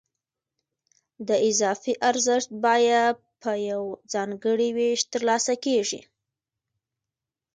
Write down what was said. د اضافي ارزښت بیه په یو ځانګړي وېش ترلاسه کېږي